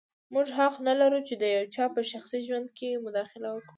موږ حق نه لرو چې د یو چا په شخصي ژوند کې مداخله وکړو.